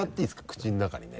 口の中にね。